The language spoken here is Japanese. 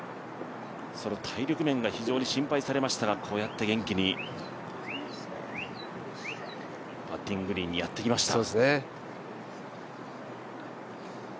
体力面が非常に心配されましたがこうやって元気にパッティングエリアにやってきました。